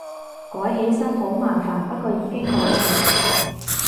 改起身好麻煩，不過已經改完